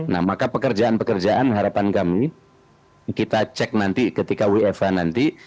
nah maka pekerjaan pekerjaan harapan kami kita cek nanti ketika wfh nanti